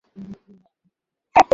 মাতাল হয়ে তার সাথে ঝগড়া করো না।